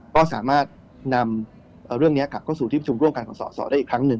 ก็สามารถนำเรื่องนี้กลับเข้าสู่ที่ประชุมร่วมกันของสอสอได้อีกครั้งหนึ่ง